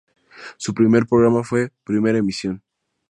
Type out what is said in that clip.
Su primer programa fue "Primera emisión".